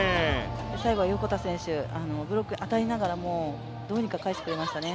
最後は横田選手、ブロックに当たりながらなんとか返してくれましたね。